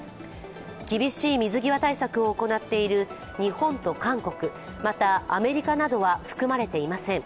厳しい水際対策を行っている日本と韓国、またアメリカなどは含まれていません。